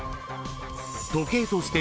［時計として］